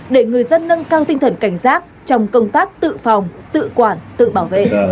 để người dân nâng cao tinh thần cảnh giác trong công tác tự phòng tự quản tự bảo vệ